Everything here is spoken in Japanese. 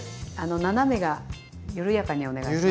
斜めが緩やかにお願いします。